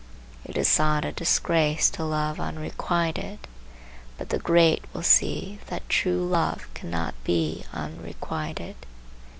It is thought a disgrace to love unrequited. But the great will see that true love cannot be unrequited.